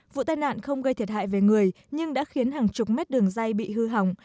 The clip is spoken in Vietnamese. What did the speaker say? vụ tai nạn không gây thiệt hại về người nhưng đã khiến hàng chục mét đường dây bị hư hỏng